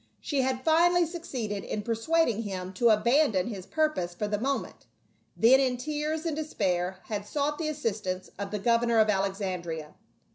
She had finally succeeded in persuad ing him to abandon his purpose for the moment, then in tears and despair had sought the assistance of the governor of Alexandria.